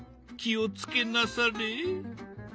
気をつけなされ。